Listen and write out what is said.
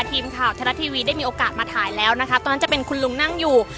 ทีมข่าวทรัฐทีวีได้มีโอกาสมาถ่ายแล้วนะคะตอนนั้นจะเป็นคุณลุงนั่งอยู่